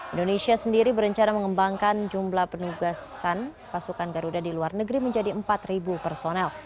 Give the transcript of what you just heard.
indonesia sendiri berencana mengembangkan jumlah penugasan pasukan garuda di luar negeri menjadi empat personel